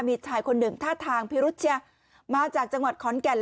มีชายคนหนึ่งท่าทางพิรุษเชียมาจากจังหวัดขอนแก่น